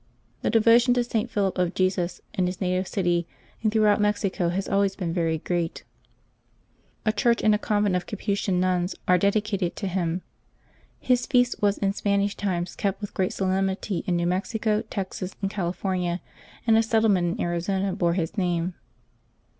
The devotion to St. Philip of Jesus in his native city and throughout Mexico has always been very great. A church and a convent of Capuchin nuns are dedicated to him. His feast was in Spanish times kept with great solemnity in New Mexico, Texas, and California, and a settlement in Arizona bore his name.